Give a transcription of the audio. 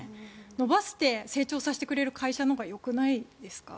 伸ばして成長させてくれる会社のほうがよくないですか？